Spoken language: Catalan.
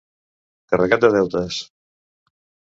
Carregat de deutes.